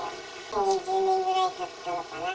２０年くらいたったのかな。